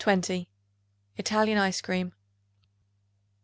Italian Ice Cream.